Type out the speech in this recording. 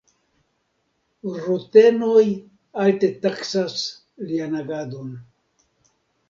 Rutenoj alte taksas lian agadon.